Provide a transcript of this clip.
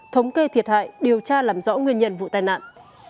thống kê thiệt hại điều tra làm rõ nguyên nhân vụ tai nạn